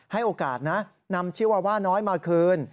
ให้โอกาสนำชีววาว่าน้อยมาคืน